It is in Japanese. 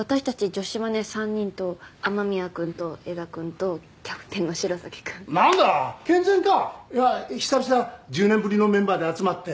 女子マネ３人と雨宮君と江田君とキャプテンの城崎君なんだ健全かいや久々１０年ぶりのメンバーで集まって？